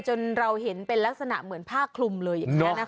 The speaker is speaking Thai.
จนเราเห็นเป็นลักษณะเหมือนผ้าคลุมเลย